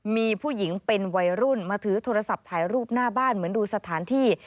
มีผู้หญิงเป็นวัยรุ่นมาถือโทรศัพท์ถ่ายรูปหน้าบ้านเหมือนดูสถานที่